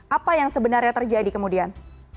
apa yang sebenarnya terjadi kemudian